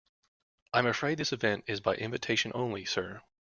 I'm afraid this event is by invitation only, sir.